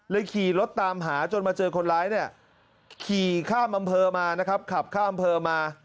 ขี่รถตามหาจนมาเจอคนร้ายเนี่ยขี่ข้ามอำเภอมานะครับขับข้ามอำเภอมา